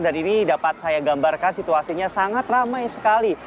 dan ini dapat saya gambarkan situasinya sangat ramai sekali